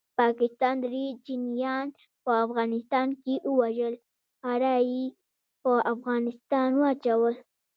پاکستان دري چینایان په افغانستان کې ووژل پړه یې په افغانستان واچول